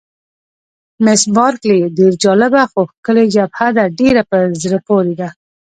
مس بارکلي: ډېره جالبه، خو ښکلې جبهه ده، ډېره په زړه پورې ده.